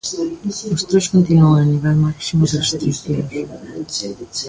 Os tres continúan en nivel máximo de restricións.